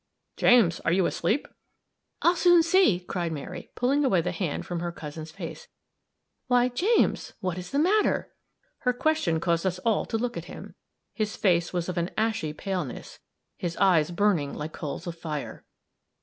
James, are you asleep?" "I'll soon see," cried Mary, pulling away the hand from her cousin's face "why, James, what is the matter?" Her question caused us all to look at him; his face was of an ashy paleness; his eyes burning like coals of fire.